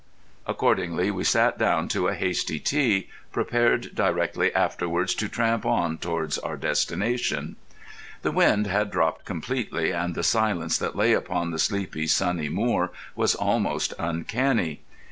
Accordingly we sat down to a hasty tea, prepared directly afterwards to tramp on towards our destination. The wind had dropped completely, and the silence that lay upon the sleepy, sunny moor was almost uncanny.